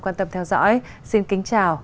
quan tâm theo dõi xin kính chào